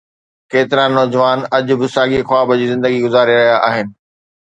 ڪيترا نوجوان اڄ به ساڳي خواب جي زندگي گذاري رهيا آهن؟